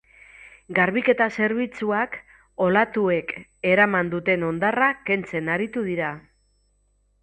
Garbiketa zerbitzuak olatuek eraman duten hondarra kentzen aritu dira.